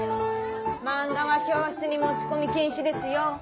漫画は教室に持ち込み禁止ですよ。